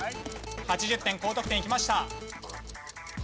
８０点高得点いきました。